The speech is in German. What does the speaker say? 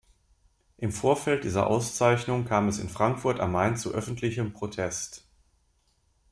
Im Vorfeld dieser Auszeichnung kam es in Frankfurt am Main zu öffentlichem Protest.